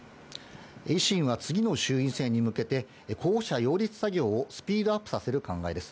維新は次の衆院選に向けて、候補者擁立作業をスピードアップさせる考えです。